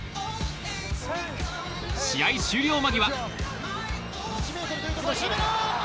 試合終了間際。